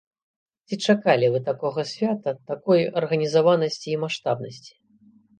Ці чакалі вы такога свята, такой арганізаванасці і маштабнасці?